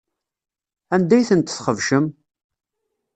Anda ay tent-txebcem?